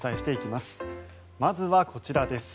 まずはこちらです。